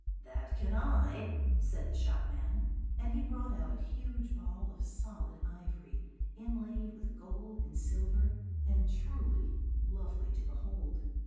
"'That can I,' said the shop man; and he brought out a huge ball of solid ivory, inlaid with gold and silver, and truly lovely to behold.